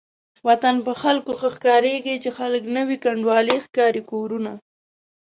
وطن په خلکو ښه ښکاريږي چې خلک نه وي کنډوالې ښکاري کورونه